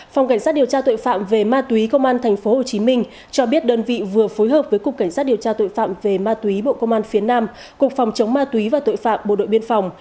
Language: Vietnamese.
phòng cảnh sát điều tra tội phạm về ma túy công an tp hcm cho biết đơn vị vừa phối hợp với cục cảnh sát điều tra tội phạm về ma túy bộ công an phía nam cục phòng chống ma túy và tội phạm bộ đội biên phòng